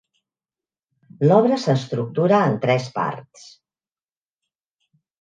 L'obra s'estructura en tres parts.